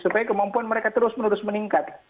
supaya kemampuan mereka terus menerus meningkat